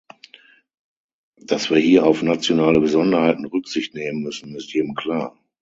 Dass wir hier auf nationale Besonderheiten Rücksicht nehmen müssen, ist jedem klar.